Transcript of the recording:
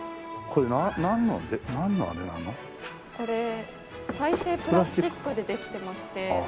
これ再生プラスチックでできてまして。